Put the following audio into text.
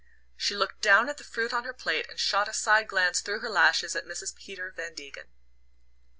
She looked down at the fruit on her plate and shot a side glance through her lashes at Mrs. Peter Van Degen.